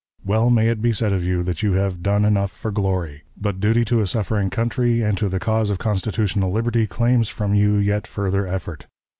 Well may it be said of you that you have 'done enough for glory'; but duty to a suffering country and to the cause of constitutional liberty claims from you yet further effort.